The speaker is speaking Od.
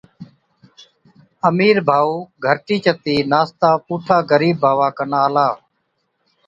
امِير ڀائُو گھَرٽِي چتِي ناستا پُوٺا غرِيب ڀاوا کن آلا،